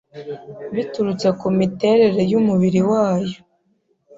biturutse ku miterere y’umubiri wayo